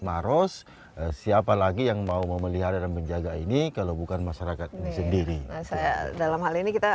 maros siapa lagi yang mau memelihara dan menjaga ini kalau bukan masyarakat sendiri dalam hal ini kita